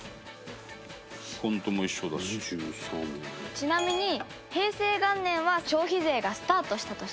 ちなみに、平成元年は消費税がスタートした年。